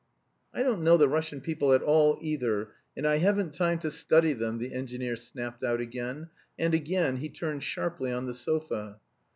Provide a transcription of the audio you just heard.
"I don't know the Russian people at all, either, and I haven't time to study them," the engineer snapped out again, and again he turned sharply on the sofa.